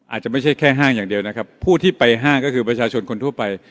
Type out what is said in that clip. อาจจะไม่ใช่แค่ห้างอย่างเดียวนะครับผู้ที่ไปห้างก็คือประชาชนคนทั่วไป